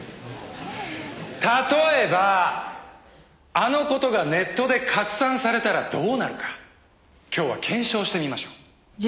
例えばあの事がネットで拡散されたらどうなるか今日は検証してみましょう。